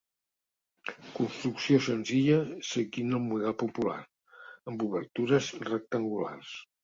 Construcció senzilla seguint el model popular, amb obertures rectangulars.